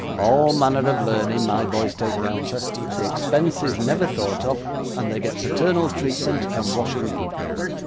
All manner of learning my boys take down, sir; the expense is never thought of; and they get paternal treatment and washing in.